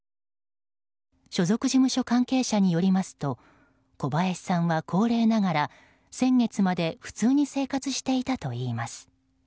所属事務所関係者によりますと小林さんは高齢ながら、先月まで普通に生活していたといいます。